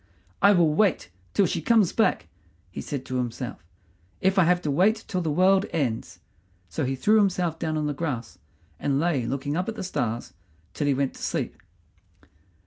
"I will wait till she comes back," he said to himself, "if I have to wait till the world ends." So he threw himself down on the grass and lay looking up at the stars till he went to sleep.